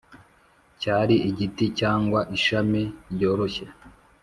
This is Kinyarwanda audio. cyari igiti cyangwa ishami ryoroshye,